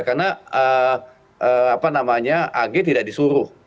karena agh tidak disuruh